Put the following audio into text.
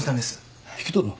引き取るの？